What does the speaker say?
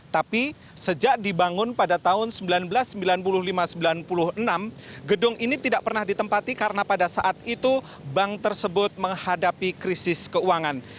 tapi sejak dibangun pada tahun seribu sembilan ratus sembilan puluh lima sembilan puluh enam gedung ini tidak pernah ditempati karena pada saat itu bank tersebut menghadapi krisis keuangan